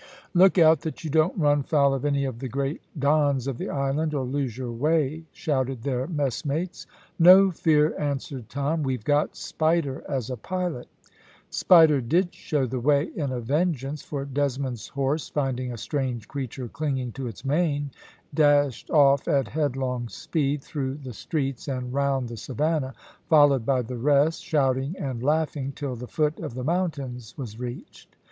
"Look out that you don't run foul of any of the great Dons of the island, or lose your way," shouted their messmates. "No fear," answered Tom; "we've got Spider as a pilot." Spider did show the way in a vengeance, for Desmond's horse finding a strange creature clinging to its mane, dashed off at headlong speed through the streets and round the Savannah, followed by the rest, shouting and laughing, till the foot of the mountains was reached.